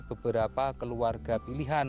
beberapa keluarga pilihan